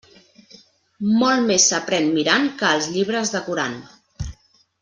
Molt més s'aprén mirant que els llibres decorant.